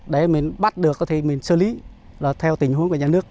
để mình bắt được thì mình xử lý là theo tình huống của nhà nước